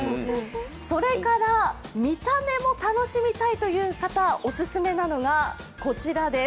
それから見た目も楽しみたいという方、オススメなのが、こちらです。